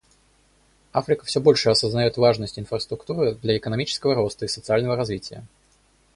Африка все больше осознает важность инфраструктуры для экономического роста и социального развития.